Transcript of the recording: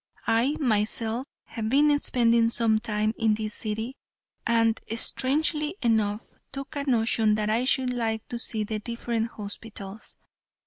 "I, myself, have been spending some time in this city, and, strangely enough, took a notion that I should like to see the different hospitals.